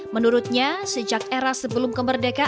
menurutnya sejak era sebelum kemerdekaan